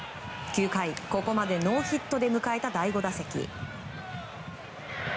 ９回、ここまでノーヒットで迎えた第５打席。